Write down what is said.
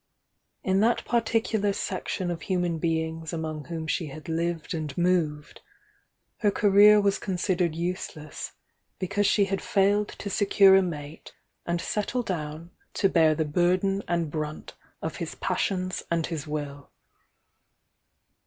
In that particular section of human beings among whom she had lived and moved, her career was considered useless because she had failed to secure a mate and settle down to bear the burden and brunt of his passions and his will.